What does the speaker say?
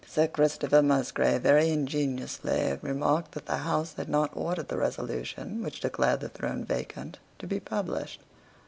Sir Christopher Musgrave very ingeniously remarked that the House had not ordered the resolution which declared the throne vacant to be published.